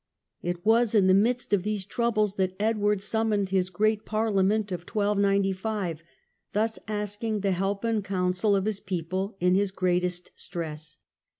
It was in the midst of these troubles that Edward The Scots summoned his great parliament of 1295, war, XS96. tjjus asking the help and counsel of his people in his greatest stress.